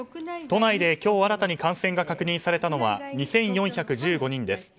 都内で今日新たに感染が確認されたのは２４１５人です。